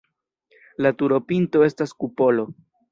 La turopinto estas kupolo.